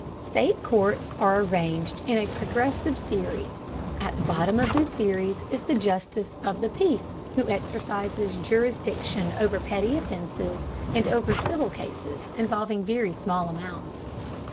State courts are arranged in a progressive series. At the bottom of this series is the justice of the peace, who exercises jurisdiction over petty offenses and over civil cases involving very small amounts.